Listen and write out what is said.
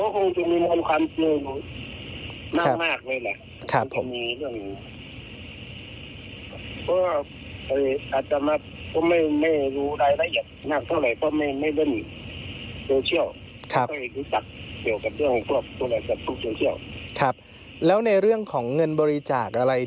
แล้วในเรื่องของเงินบริจาคอะไร